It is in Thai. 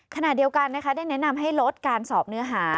ขณะเดียวกันนะคะได้แนะนำให้ลดการสอบเนื้อหา